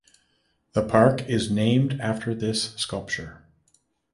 The park is named after this sculpture.